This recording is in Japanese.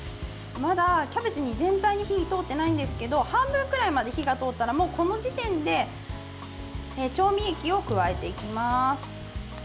まだキャベツ全体に火が通っていないんですけど半分くらいまで火が通ったらこの時点で調味液を加えていきます。